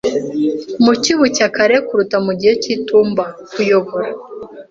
Mu ci, bucya kare kuruta mu gihe cy'itumba. (_kuyobora)